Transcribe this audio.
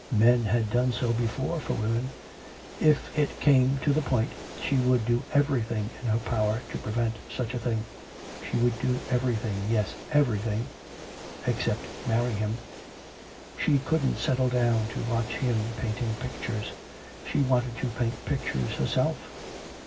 Men had done so before for women.... If it came to the point, she would do everything in her power to prevent such a thing. She would do everything, yes, everything except marry him. She couldn't settle down to watch him painting pictures. She wanted to paint pictures herself.